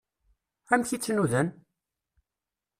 Amek i tt-nudan?